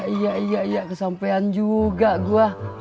iya kesampean juga gua